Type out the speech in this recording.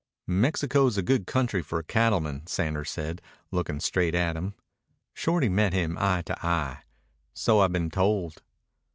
"Mexico is a good country for a cattleman," Sanders said, looking straight at him. Shorty met him eye to eye. "So I've been told."